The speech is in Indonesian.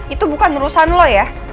itu bukan urusan lo ya